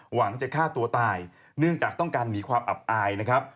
หวังจะฆ่าตัวตายเนื่องจากต้องการหนีความอับอายนะครับ